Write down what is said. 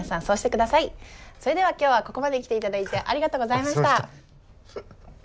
それでは今日はここまで来ていただいてありがとうございました。